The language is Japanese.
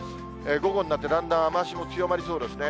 午後になって、だんだん雨足も強まりそうですね。